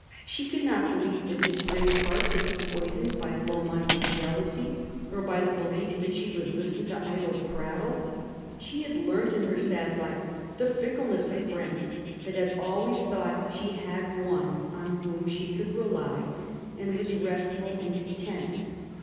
She could not believe that his great heart could be poisoned by low minded jealousy, or by the belief that she would listen to idle prattle. She had learnt in her sad life the fickleness of friends, but had always thought she had one on whom she could rely, and was restful and content.